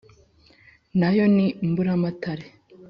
Na yo ni Mburamatare